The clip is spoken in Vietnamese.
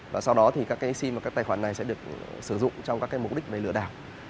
và sau đó thì các cái sim và các tài khoản này sẽ được sử dụng trong các cái mục đích về lửa đảo